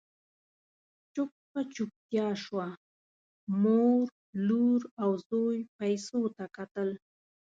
چوپه چوپتيا شوه، مور، لور او زوی پيسو ته کتل…